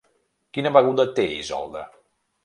Quina beguda té Isolda?